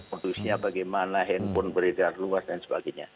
kondusinya bagaimana handphone berita luas dan sebagainya